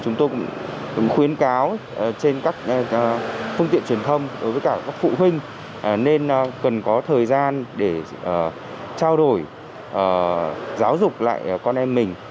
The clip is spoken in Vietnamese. chúng tôi cũng khuyến cáo trên các phương tiện truyền thông đối với cả các phụ huynh nên cần có thời gian để trao đổi giáo dục lại con em mình